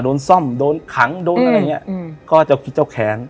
โดนซ่อมโดนขังโดนอะไรเงี้ยอืมอืมก็เจ้าคิดเจ้าแค้น